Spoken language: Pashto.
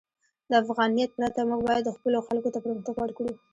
د افغانیت پرته، موږ باید خپلو خلکو ته پرمختګ ورکړو.